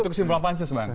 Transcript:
itu kesimpulan pansus bang